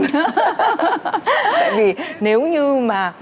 tại vì nếu như mà